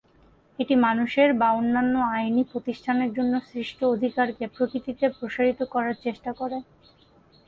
এটি মানুষের বা অন্যান্য আইনী প্রতিষ্ঠানের জন্য সৃষ্ট অধিকারকে প্রকৃতিতে প্রসারিত করার চেষ্টা করে।